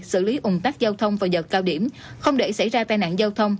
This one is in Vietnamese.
xử lý ủng tắc giao thông vào giờ cao điểm không để xảy ra tai nạn giao thông